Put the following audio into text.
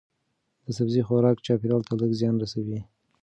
د سبزی خوراک چاپیریال ته لږ زیان رسوي.